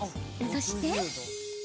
そして。